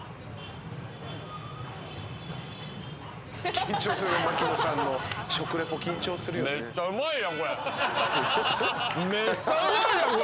緊張する槙野さんの食リポ緊張するよね。